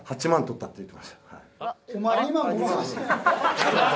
８万取ったって。